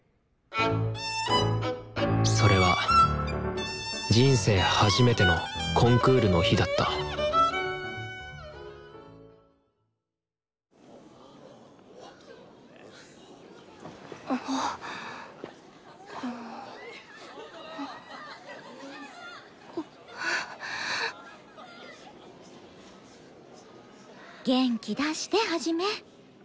それは人生初めてのコンクールの日だった元気出してハジメ。